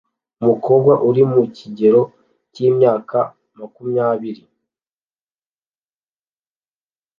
Umukobwa uri mu kigero cy'imyaka Makumyabiri